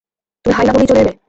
তুমি হাই না বলেই চলে এলে।